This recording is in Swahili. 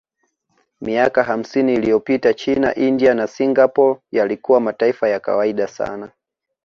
Miaka hamsini iliyopita China India na Singapore yalikuwa mataifa ya kawaida sana